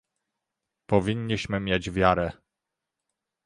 Powinniśmy mieć wiarę